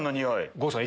郷さん